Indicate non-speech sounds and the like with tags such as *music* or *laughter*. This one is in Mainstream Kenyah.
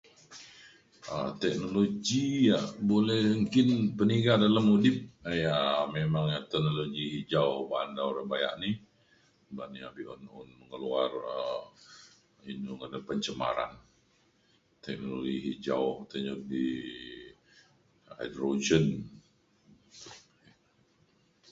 um teknologi yak boleh nggin peniga dalem udip *unintelligible* memang ia' teknologi hijau ba'an da bayak ni ban ia' be'un un keluar um inu ngadan pencemaran teknologi hijau teknologi hydrogen.